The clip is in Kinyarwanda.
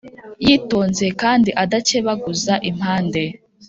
yitonze kandi adakebaguza impande